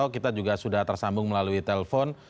kita juga sudah tersambung melalui telpon